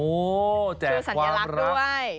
โอ้แจกความรักด้วย